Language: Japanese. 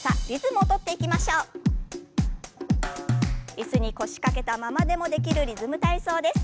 椅子に腰掛けたままでもできるリズム体操です。